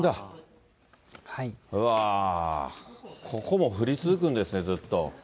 ここも降り続くんですね、ずっと。